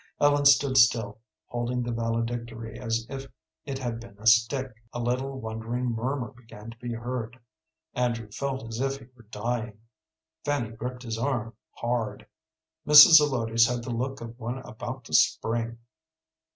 Ellen stood still, holding the valedictory as if it had been a stick. A little wondering murmur began to be heard. Andrew felt as if he were dying. Fanny gripped his arm hard. Mrs. Zelotes had the look of one about to spring.